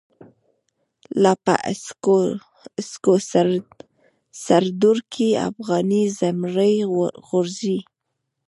لاپه هسکوسردروکی، افغانی زمری غوریږی